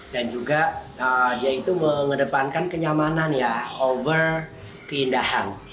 dan juga dia itu mengedepankan kenyamanan ya over keindahan